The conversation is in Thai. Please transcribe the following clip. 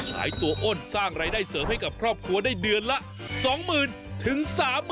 ขายตัวอ้นสร้างรายได้เสริมให้กับครอบครัวได้เดือนละ๒๐๐๐๓๐๐